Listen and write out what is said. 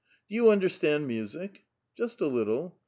*' Do you understand music?" "Just a little."